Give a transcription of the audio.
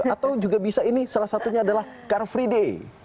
atau juga bisa ini salah satunya adalah car free day